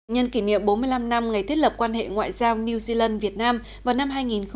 nhân kỷ niệm bốn mươi năm năm ngày thiết lập quan hệ ngoại giao new zealand việt nam vào năm hai nghìn hai mươi